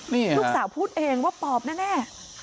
นี่ลูกสาวพูดเองว่าปอบแน่